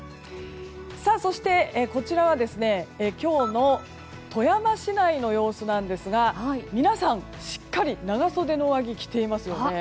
そして、こちらは今日の富山市内の様子なんですが皆さん、しっかり長袖の上着を着ていますよね。